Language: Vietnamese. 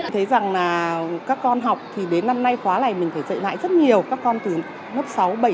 thấy rằng là các con học thì đến năm nay khóa này mình phải dạy lại rất nhiều các con từ lớp sáu bảy